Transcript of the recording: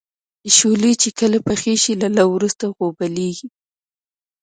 شولې چې کله پخې شي له لو وروسته غوبلیږي.